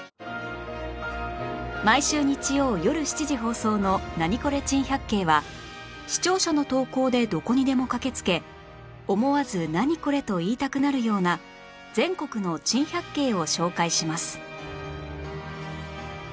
毎週日曜よる７時放送の『ナニコレ珍百景』は視聴者の投稿でどこにでも駆け付け思わず「ナニコレ！」と言いたくなるような全国の珍百景を紹介します